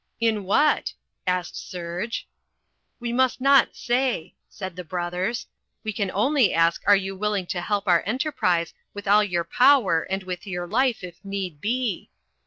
"In what?" asked Serge. "We must not say," said the brothers. "We can only ask are you willing to help our enterprise with all your power and with your life if need be?"